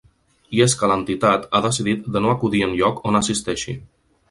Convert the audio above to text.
I és que l’entitat ha decidit de no acudir enlloc on assisteixi.